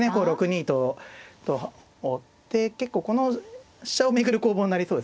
６二とと追って結構この飛車を巡る攻防になりそうですね。